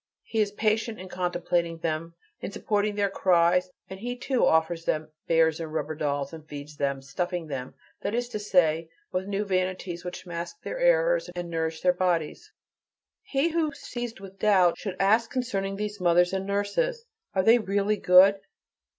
He is patient in contemplating them, in supporting their cries and he too offers them bears and rubber dolls, and feeds them, stuffing them, that is to say, with new vanities which mask their errors, and nourish their bodies. He who, seized with doubt, should ask concerning these mothers and nurses: "Are they really good?"